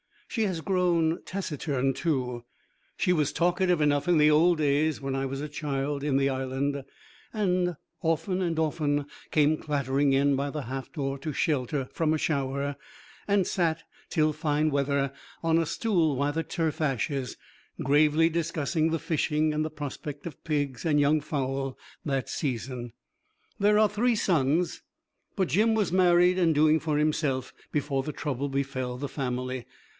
She has grown taciturn too; she was talkative enough in the old days when I was a child in the Island, and, often and often, came clattering in by the half door to shelter from a shower, and sat till fine weather on a stool by the turf ashes, gravely discussing the fishing and the prospects of pigs and young fowl that season. There are three sons, but Jim was married and doing for himself before the trouble befell the family.